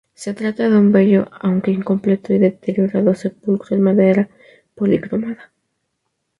Se trata de un bello, aunque incompleto y deteriorado, sepulcro en madera policromada.